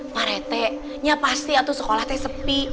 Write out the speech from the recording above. pak rete ya pasti itu sekolahnya sepi